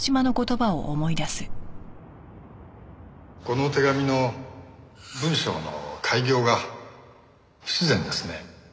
この手紙の文章の改行が不自然ですね。